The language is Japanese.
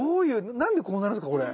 なんでこうなるんすかこれ？